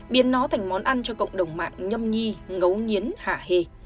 biến nó thành món ăn cho cộng đồng mạng nhâm nhi ngấu nhiến hạ hề